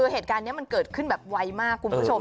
เหตุการณ์นี้มันเกิดขึ้นแบบไวมากคุณผู้ชม